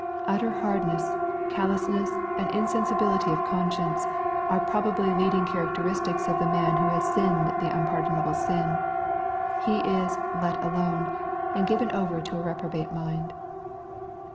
Utter hardness, callous ness, and insensibihty of conscience, are probably leading charac teristics of the man who has sinned the unpardonable sin. He ia " let alone," and given over to a reprobate mind.